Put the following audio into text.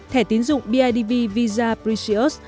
thẻ tín dụng bidv visa precious